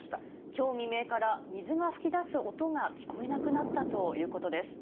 きょう未明から水が噴き出す音が聞こえなくなったということです。